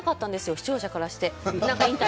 視聴者からして。